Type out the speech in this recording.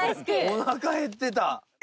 おなか減ってた。